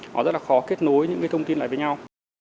họ rất là khó kết nối những cái thông tin này với nhau